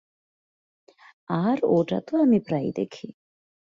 আর ওটা তো আমি প্রায়ই দেখি।